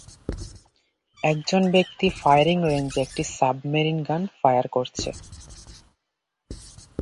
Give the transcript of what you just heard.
একজন ব্যক্তি ফায়ারিং রেঞ্জে একটি সাব মেশিন গান ফায়ার করছে